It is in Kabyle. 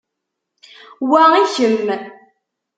Wa i kemm.